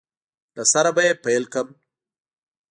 له سره به یې پیل کړم